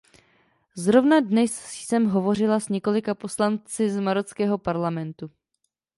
Zrovna dnes jsem hovořila s několika poslanci z marockého parlamentu.